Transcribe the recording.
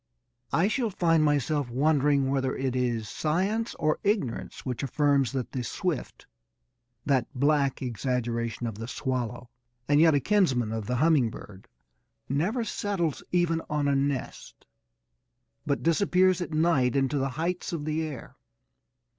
I shall find myself wondering whether it is science or ignorance which affirms that the swift (that black exaggeration of the swallow and yet a kinsman of the humming bird) never settles even on a nest, but disappears at night into the heights of the air.